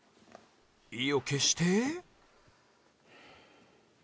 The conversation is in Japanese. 意を決して